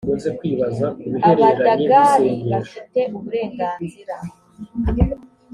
abadagari bafite uburenganzira